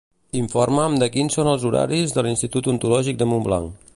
Informa'm de quins són els horaris de l'institut odontològic de Montblanc.